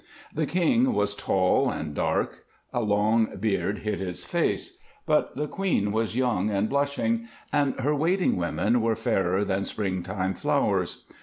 The king was tall and dark; a long beard hid his face. But the queen was young and blushing, and her waiting women were fairer than springtime flowers.